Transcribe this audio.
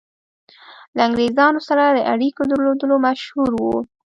له انګرېزانو سره د اړېکو درلودلو مشهور وو.